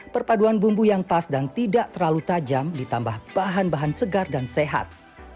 perpaduan bumbu yang pas dan tidak terlalu tajam ditambah bahan bahan segar dan sehat